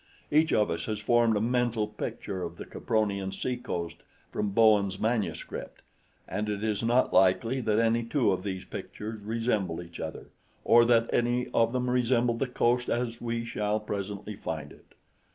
Each of us has formed a mental picture of the Capronian seacoast from Bowen's manuscript, and it is not likely that any two of these pictures resemble each other, or that any of them resemble the coast as we shall presently find it.